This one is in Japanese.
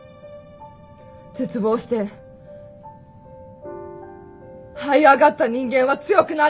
絶望してはい上がった人間は強くなれる。